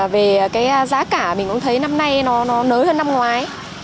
về cái giá cả mình cũng thấy năm nay nó nới hơn năm ngoái